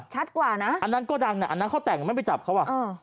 กว่านะอันนั้นก็ดังน่ะอันนั้นเขาแต่งไม่ไปจับเขาอ่ะ